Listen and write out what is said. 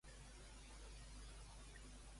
I en els d'ideologia contrària?